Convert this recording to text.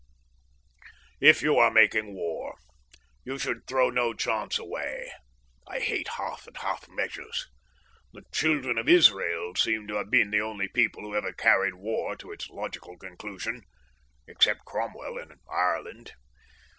If you are making war you should throw no chance away. I hate half and half measures. The Children of Israel seem to have been the only people who ever carried war to its logical conclusion except Cromwell in Ireland.